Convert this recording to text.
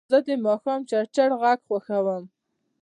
زه د ماښام چړچړ غږ خوښوم.